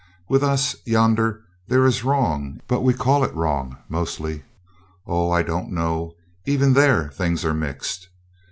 With us yonder there is wrong, but we call it wrong mostly. Oh, I don't know; even there things are mixed."